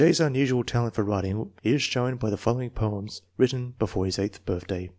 's unusual talent for writing is shown by the fol lowing poems written before his eighth birthday.